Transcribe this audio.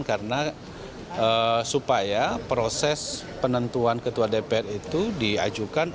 karena supaya proses penentuan ketua dpr itu diajukan